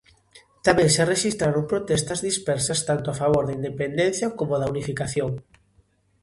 Tamén se rexistraron protestas dispersas tanto a favor da independencia como da unificación.